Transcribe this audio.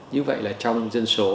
như vậy là trong dân số